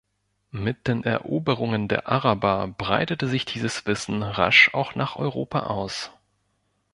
Mit den Eroberungen der Araber breitete sich dieses Wissen rasch auch nach Europa aus.